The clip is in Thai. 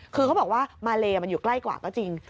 คือเขาบอกว่ามาเลมันอยู่ใกล้กว่าก็จริง